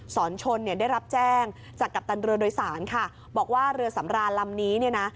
ชนเนี่ยได้รับแจ้งจากกัปตันเรือโดยสารค่ะบอกว่าเรือสำรานลำนี้เนี่ยนะ